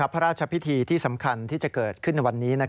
พระราชพิธีที่สำคัญที่จะเกิดขึ้นในวันนี้